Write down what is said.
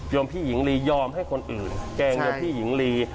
พี่หญิงลียอมให้คนอื่นแกล้งโยมพี่หญิงลี